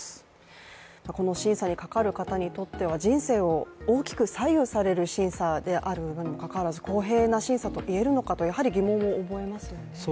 審査にかかる方にとっては、人生を大きく左右される審査であるにもかかわらず公平な審査と言えるのかとやはり疑問を覚えますよね。